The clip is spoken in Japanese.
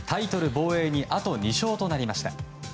防衛にあと２勝となりました。